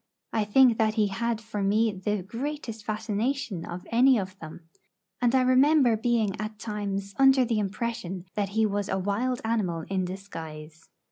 I think that he had for me the greatest fascination of any of them; and I remember being at times under the impression that he was a wild animal in disguise.